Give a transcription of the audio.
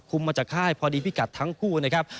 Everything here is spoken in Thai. มาจากค่ายพอดีพิกัดทั้งคู่นะครับ